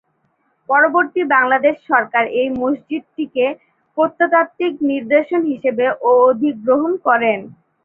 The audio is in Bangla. পরবর্তীতে বাংলাদেশ সরকার এই মসজিদটিকে প্রত্নতাত্ত্বিক নিদর্শন হিসেবে অধিগ্রহণ করেন।